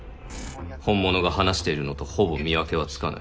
本物が話しているのとほぼ見分けはつかない。